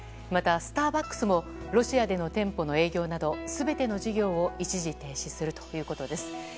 また、スターバックスもロシアでの店舗の営業など全ての事業を一時停止するということです。